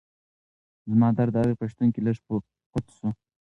زما درد د هغې په شتون کې لږ پڅ شو.